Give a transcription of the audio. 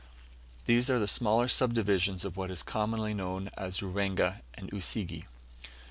These are the smaller sub divisions of what is commonly known as Ruwenga and Usige.